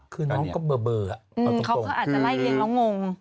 คือน้องก็เบอร์เขาก็อาจจะไล่เลี้ยงแล้วงง